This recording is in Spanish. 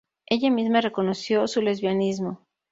Ella misma reconoció su lesbianismo.